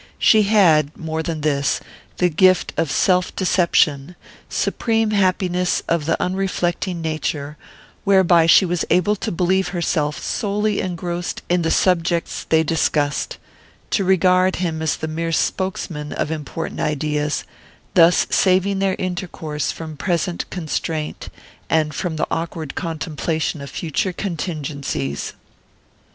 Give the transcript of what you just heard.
She had more than this the gift of self deception, supreme happiness of the unreflecting nature, whereby she was able to believe herself solely engrossed in the subjects they discussed, to regard him as the mere spokesman of important ideas, thus saving their intercourse from present constraint, and from the awkward contemplation of future contingencies.